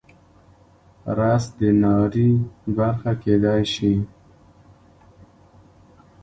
رس د ناري برخه کیدی شي